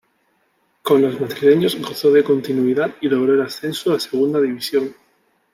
Con los madrileños gozó de continuidad y logró el ascenso a Segunda División.